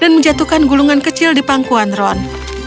dan menjatuhkan gulungan kecil di pangkuan ron